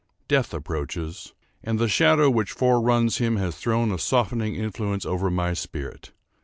Death approaches; and the shadow which foreruns him has thrown a softening influence over my spirit.